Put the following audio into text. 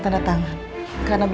tidak ingin kita menemani